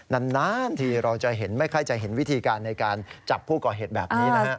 นานทีเราจะเห็นไม่ค่อยจะเห็นวิธีการในการจับผู้ก่อเหตุแบบนี้นะฮะ